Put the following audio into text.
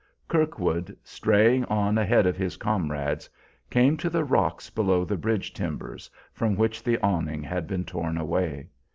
Kirkwood, straying on ahead of his comrades, came to the rocks below the bridge timbers, from which the awning had been torn away.